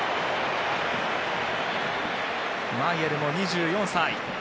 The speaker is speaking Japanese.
マイェルも２４歳。